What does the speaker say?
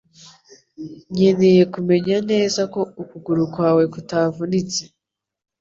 Nkeneye kumenya neza ko ukuguru kwawe kutavunitse